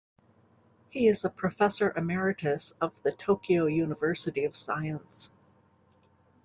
He is a professor emeritus of the Tokyo University of Science.